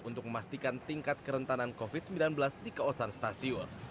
untuk memastikan tingkat kerentanan covid sembilan belas di kawasan stasiun